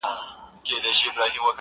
خان به د لویو دښمنیو فیصلې کولې!!